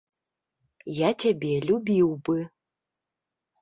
Я цябе любіў бы.